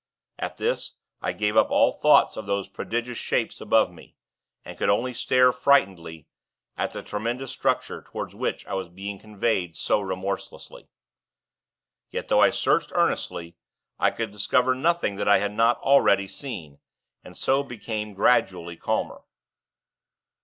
At this, I gave up all thoughts of those prodigious Shapes above me and could only stare, frightenedly, at the tremendous structure toward which I was being conveyed so remorselessly. Yet, though I searched earnestly, I could discover nothing that I had not already seen, and so became gradually calmer.